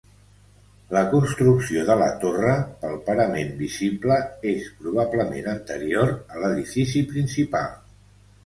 La construcció de la torre, pel parament visible, és probablement anterior a l'edifici principal.